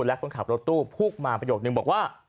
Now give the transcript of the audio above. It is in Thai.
และคนขับรถตู้พูดมาประโยคนึงบอกว่า